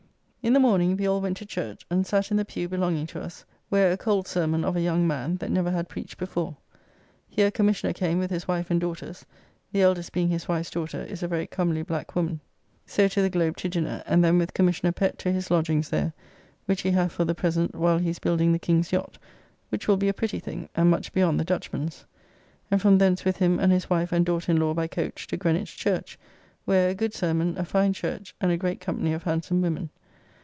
In the morning we all went to church, and sat in the pew belonging to us, where a cold sermon of a young man that never had preached before. Here Commissioner came with his wife and daughters, the eldest being his wife's daughter is a very comely black woman. [The old expression for a brunette.] So to the Globe to dinner, and then with Commissioner Pett to his lodgings there (which he hath for the present while he is building the King's yacht, which will be a pretty thing, and much beyond the Dutchman's), and from thence with him and his wife and daughter in law by coach to Greenwich Church, where a good sermon, a fine church, and a great company of handsome women.